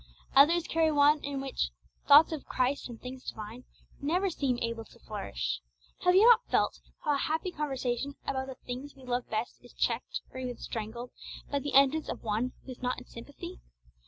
Others carry one in which 'thoughts of Christ and things divine' never seem able to flourish. Have you not felt how a happy conversation about the things we love best is checked, or even strangled, by the entrance of one who is not in sympathy?